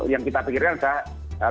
yang kita pikirkan adalah